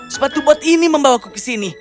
sepatu bot ini membawa aku ke sini